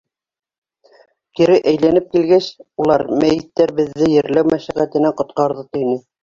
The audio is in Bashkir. Кире әйләнеп килгәс, улар, мәйеттәр беҙҙе ерләү мәшәҡәтенән ҡотҡарҙы, тине.